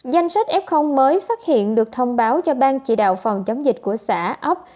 danh sách f mới phát hiện được thông báo cho ban chỉ đạo phòng chống dịch của xã ấp